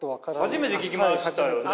初めて聞きましたよね？